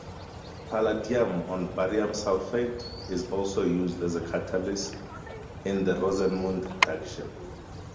Palladium on barium sulfate is also used as a catalyst in the Rosenmund reduction.